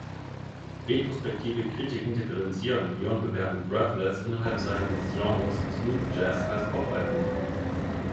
Retrospektive Kritiken differenzieren hier und bewerten "Breathless" innerhalb seines Genres Smooth Jazz als Popalbum.